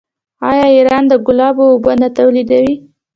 آیا ایران د ګلابو اوبه نه تولیدوي؟